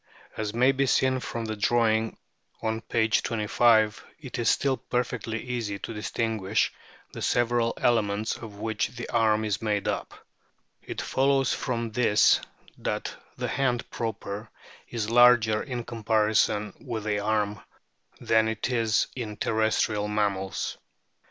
As may be seen from the drawing on p. 25, it is still perfectly easy to distinguish the several elements of which the arm is made up. It follows from this that the hand proper is larger in comparison with the arm than it is in terrestrial THE EXTERNAL FORM OF WHALES 19 mammals.